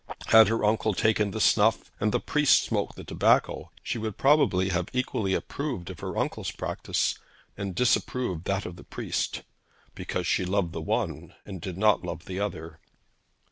Had her uncle taken the snuff and the priest smoked the tobacco, she would probably have equally approved of her uncle's practice and disapproved that of the priest; because she loved the one and did not love the other.